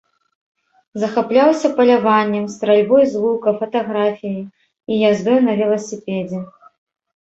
Захапляўся паляваннем, стральбой з лука, фатаграфіяй і яздой на веласіпедзе.